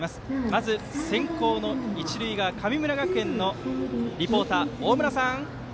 まず、先攻の一塁側、神村学園のリポーター、大村さん。